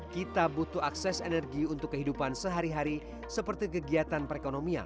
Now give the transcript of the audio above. kita butuh akses energi untuk kehidupan sehari hari seperti kegiatan perekonomian